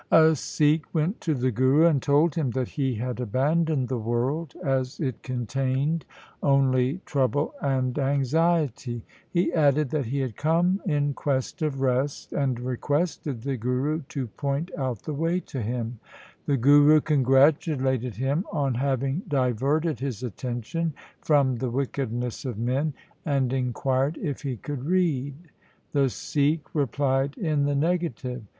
A Sikh went to the Guru and told him that he had abandoned the world, as it contained only trouble and anxiety. He added that he had come in quest of rest, and requested the Guru to point out the way to him. The Guru congratulated him on having diverted his attention from the wickedness of men, and inquired if he could read. The Sikh replied in the negative.